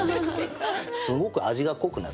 すごく味が濃くなる。